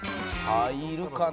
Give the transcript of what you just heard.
「入るかな？」